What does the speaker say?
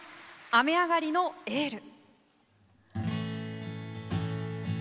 「雨上がりのエール」。